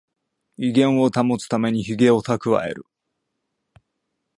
威厳を保つためにヒゲをたくわえる